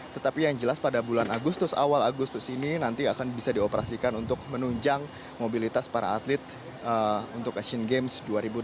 tetapi yang jelas pada bulan agustus awal agustus ini nanti akan bisa dioperasikan untuk menunjang mobilitas para atlet untuk asian games dua ribu delapan belas